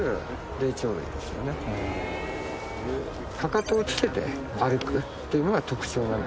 かかとをつけて歩くっていうのが特徴なんですね。